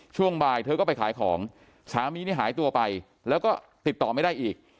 ช่วงบ่ายเธอก็ไปขายของสามีนี่หายตัวไปแล้วก็ติดต่อไม่ได้อีก